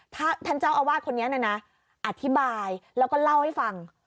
ท่านเจ้าอาวาสคนนี้นะนะอธิบายแล้วก็เล่าให้ฟัง